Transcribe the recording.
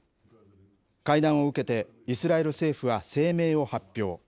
会談を受けてイスラエル政府は声明を発表。